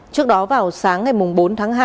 trước đó vào sáng ngày bốn tháng hai